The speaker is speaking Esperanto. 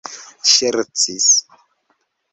ŝercis